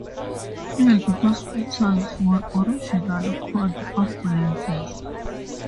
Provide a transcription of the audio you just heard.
Field hospitals were originally called ambulances.